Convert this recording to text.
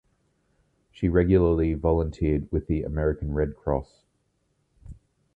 She regularly volunteered with the American Red Cross.